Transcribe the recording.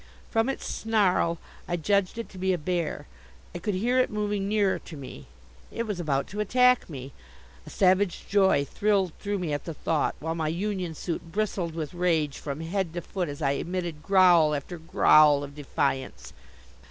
From its snarl I judged it to be a bear. I could hear it moving nearer to me. It was about to attack me. A savage joy thrilled through me at the thought, while my union suit bristled with rage from head to foot as I emitted growl after growl of defiance.